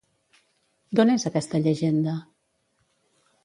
D'on és aquesta llegenda?